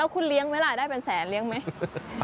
คุณเลี้ยงไหมล่ะได้เป็นแสนเลี้ยงไหม